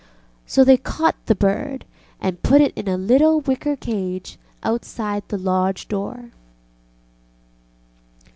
So they caught the bird and put it in a little wicker cage outside the lodge door.